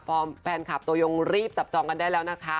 แฟนคลับตัวยงรีบจับจองกันได้แล้วนะคะ